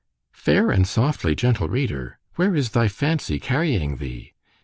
——Fair and softly, gentle reader!——where is thy fancy carrying thee!